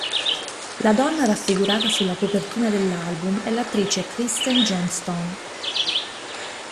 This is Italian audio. La donna raffigurata sulla copertina dell'album è l'attrice Kristen Johnston.